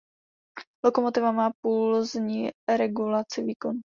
Lokomotiva má pulzní regulaci výkonu.